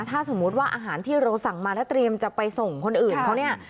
ถ้าสมมุติว่าอาหารที่เราสั่งมาแล้วเตรียมจะไปส่งคนอื่นเขาเนี่ย